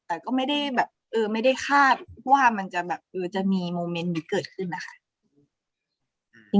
แต่ก็ไม่ได้คาดว่ามันจะมีโมเมนต์มีเกิดขึ้นนะคะ